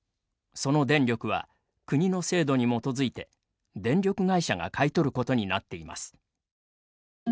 その電力は、国の制度に基づいて電力会社が買い取ることになっています。